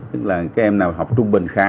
tức là các em nào học trung bình khá